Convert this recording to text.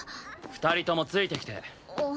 ２人ともついてきて。